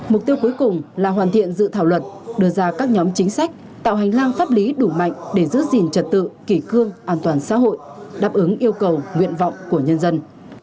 mục tiêu cuối cùng là hoàn thiện dự thảo luật đưa ra các nhóm chính sách tạo hành lang pháp lý đủ mạnh để giữ gìn trật tự kỷ cương an toàn xã hội đáp ứng yêu cầu nguyện vọng của nhân dân